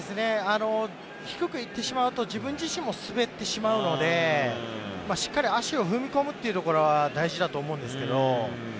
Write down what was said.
低く行くと自分自身も滑ってしまうので、しっかり足を踏み込むっていうところは大事だと思うんですけど。